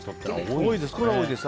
多いです。